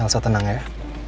elsa tenang ya